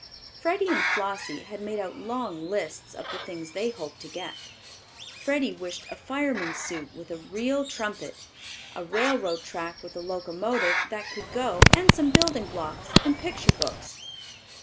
Freddie and Flossie had made out long lists of the things they hoped to get. Freddie wished a fireman's suit with a real trumpet, a railroad track with a locomotive that could go, and some building blocks and picture books.